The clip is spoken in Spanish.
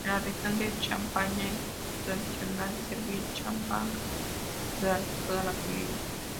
En la región de Champaña, es tradicional servir "champagne" durante toda la comida.